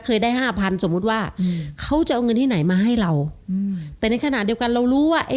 เคยได้ห้าพันสมมุติว่าเขาจะเอาเงินที่ไหนมาให้เราอืมแต่ในขณะเดียวกันเรารู้ว่าไอ้